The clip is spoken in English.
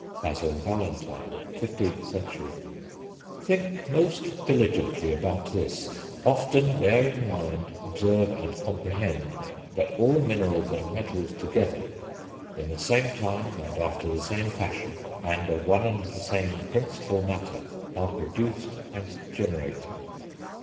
(Basil Valentine, 15th century.) "Think most diligently about this; often bear in mind, observe and comprehend, that all minerals and metals together, in the same time, and after the same fashion, and of one and the same principal matter, are produced and generated.